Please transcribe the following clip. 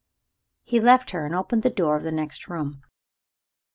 He left her and opened the door of the next room.